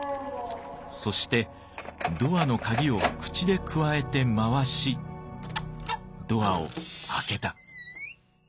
そしてドアの鍵を口でくわえて回しドアを開けた。